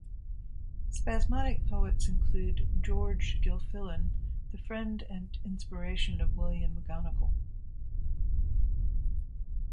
Spasmodic poets include George Gilfillan, the friend and inspiration of William McGonagall.